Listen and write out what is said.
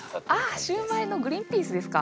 あシューマイのグリンピースですか？